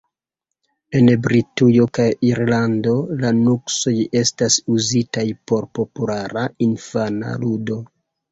En Britujo kaj Irlando, la nuksoj estas uzitaj por populara infana ludo.